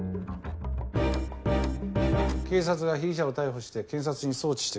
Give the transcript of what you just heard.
警察が被疑者を逮捕して検察に送致してくる。